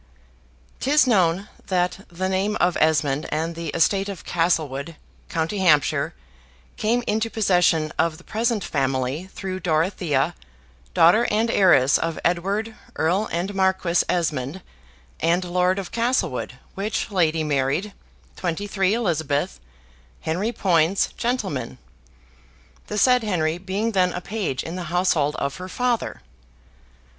'Tis known that the name of Esmond and the estate of Castlewood, com. Hants, came into possession of the present family through Dorothea, daughter and heiress of Edward, Earl and Marquis Esmond, and Lord of Castlewood, which lady married, 23 Eliz., Henry Poyns, gent.; the said Henry being then a page in the household of her father.